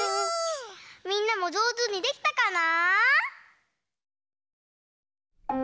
みんなもじょうずにできたかな？